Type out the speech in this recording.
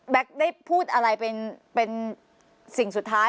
ได้พูดอะไรเป็นสิ่งสุดท้าย